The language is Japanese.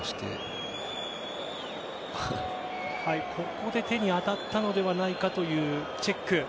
ここで手に当たったのではないかというチェック。